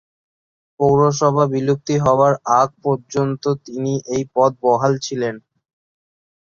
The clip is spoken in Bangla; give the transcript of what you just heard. পৌরসভা বিলুপ্তি হওয়ার আগ পর্যন্ত তিনি এই পদে বহাল ছিলেন।